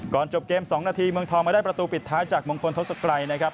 จบเกม๒นาทีเมืองทองมาได้ประตูปิดท้ายจากมงคลทศกรัยนะครับ